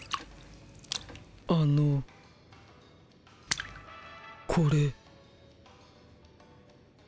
あの。これ。